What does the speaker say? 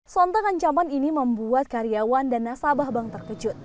sontak ancaman ini membuat karyawan dan nasabah bank terkejut